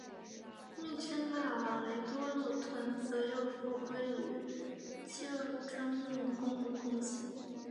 密支那往雷多路段则又复归与旧中印公路共线。